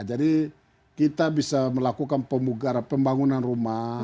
jadi kita bisa melakukan pemugara pembangunan rumah